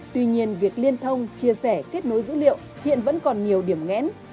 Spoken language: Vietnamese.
tuy nhiên việc liên thông chia sẻ kết nối dữ liệu hiện vẫn còn nhiều điểm nghẽn